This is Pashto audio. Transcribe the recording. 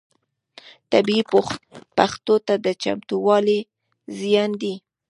طبیعي پیښو ته نه چمتووالی زیان دی.